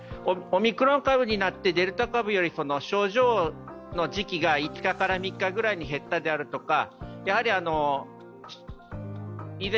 オミクロン株になってデルタ株より症状の時期が５日から３日くらいに減ったであるとか。